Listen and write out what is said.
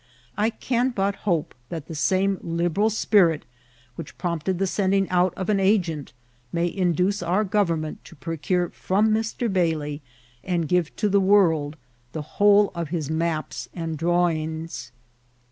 I can but hope diat the same liberal spirit which prompted the sending out of an agent may induce our government to procure from Mr* Bailey and give to the world the whole of his maps and drawings.